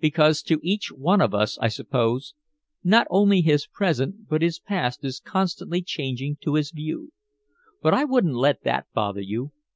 "Because to each one of us, I suppose, not only his present but his past is constantly changing to his view. But I wouldn't let that bother you.